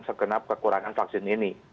segenap kekurangan vaksin ini